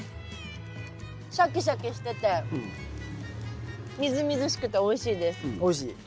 シャキシャキしててみずみずしくておいしいです。